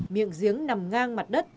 miệng giếng nằm ngang mặt đất